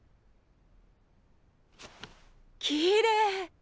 きれい。